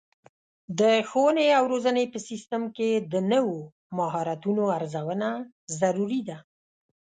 د ښوونې او روزنې په سیستم کې د نوو مهارتونو ارزونه ضروري ده.